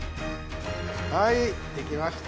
はいできました。